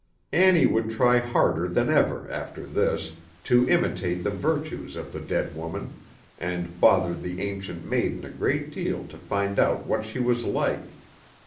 Annie would try harder than ever, after this, to imitate the virtues of the dead woman, and bothered the Ancient Maiden a great deal to find out what she was like.